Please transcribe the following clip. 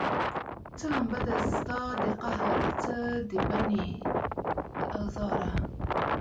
څه لمبه ده ستا د قهر، څه د بني د ازاره